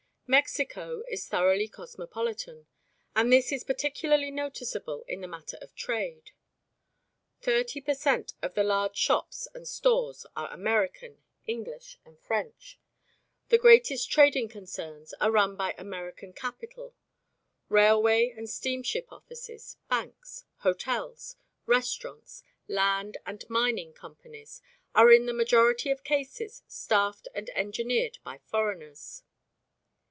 Mexico is thoroughly cosmopolitan, and this is particularly noticeable in the matter of trade. Thirty per cent. of the large shops and stores are American, English and French; the greatest trading concerns are run by American capital; railway and steamship offices, banks, hotels, restaurants, land and mining companies, are in the majority of cases staffed and engineered by foreigners.